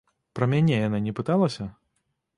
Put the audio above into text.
Пра мяне яна не пыталася?